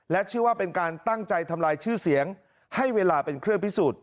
เชื่อว่าเป็นการตั้งใจทำลายชื่อเสียงให้เวลาเป็นเครื่องพิสูจน์